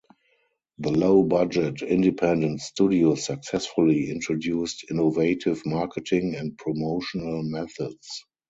The low-budget independent studio successfully introduced innovative marketing and promotional methods.